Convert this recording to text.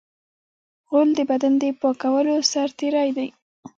غول د بدن د پاکولو سرتېری دی.